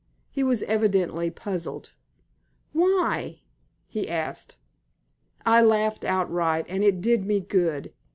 He was evidently puzzled. "Why?" he asked. I laughed outright, and it did me good.